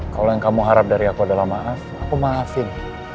kalau yang kamu harap dari aku adalah maas aku masin